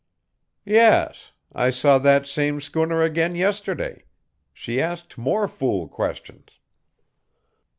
"Yes. I saw that same schooner again yesterday. She asked more fool questions."